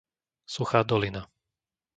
Suchá Dolina